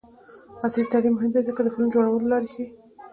عصري تعلیم مهم دی ځکه چې د فلم جوړولو لارې ښيي.